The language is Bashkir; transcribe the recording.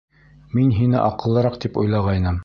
Мин һине аҡыллыраҡ тип уйлағайным.